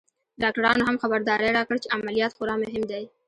ډاکترانو هم خبرداری راکړ چې عمليات خورا مهم دی.